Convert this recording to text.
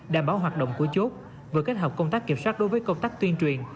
đảm bảo hoạt động của chốt vừa kết hợp công tác kiểm soát đối với công tác tuyên truyền